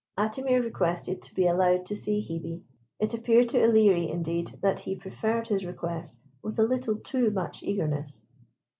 Atimir requested to be allowed to see Hebe. It appeared to Ilerie, indeed, that he preferred his request with a little too much eagerness.